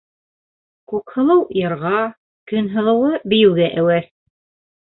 Күкһылыу йырға, Көнһылыуы бейеүгә әүәҫ.